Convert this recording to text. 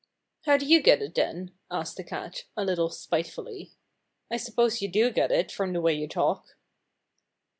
"How do you get it, then?" asked the cat, a little spitefully. "I suppose you do get it, from the way you talk."